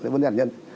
vấn đề hạt nhân